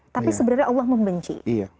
tapi sebenarnya allah membenci